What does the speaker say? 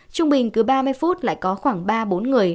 trung bình cứ ba mươi phút lại có khoảng ba bốn người